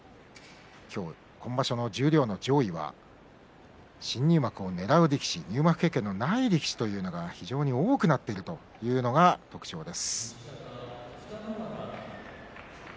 今場所の十両の上位は新入幕をねらう力士入幕経験のない力士というのが非常に多くなっているというのが特徴です。